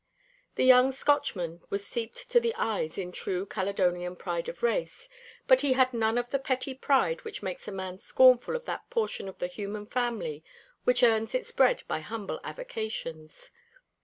The young Scotchman was steeped to the eyes in true Caledonian pride of race; but he had none of the petty pride which makes a man scornful of that portion of the human family which earns its bread by humble avocations.